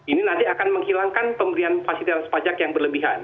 ini nanti akan menghilangkan pemberian fasilitas pajak yang berlebihan